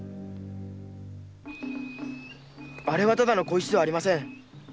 あれはタダの小石ではありません。